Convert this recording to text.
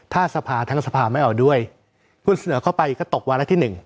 ถ้าสภาทั้งสภาไม่เอาด้วยคุณเสนอเข้าไปก็ตกวาระที่๑